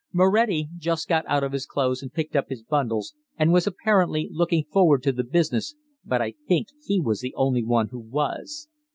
Moretti just got out of his clothes and picked up his bundles and was apparently looking forward to the business, but I think he was the only one who was.